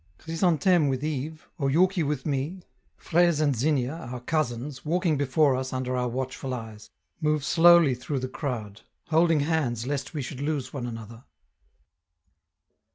Chrysantheme with Yves, Oyouki with me, Fraise and Zinnia, our cousins, walking before us under our watchful eyes, move slowly through the crowd, holding hands lest we should lose one another.